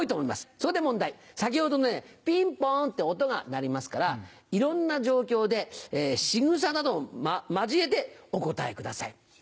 そこで問題先ほどのねピンポンって音が鳴りますからいろんな状況でしぐさなど交えてお答えください。